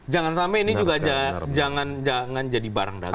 jangan sampai ini juga jangan jangan jadi barang dagangan